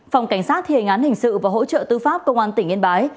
phòng cảnh sát thìa ngán hình sự và hỗ trợ tư pháp công an tỉnh yên bái